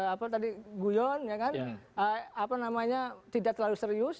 apa tadi guyon tidak terlalu serius